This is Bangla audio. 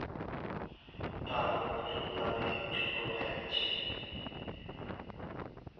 তাঁর অর্জুন নামে এক ছোট ভাই আছে।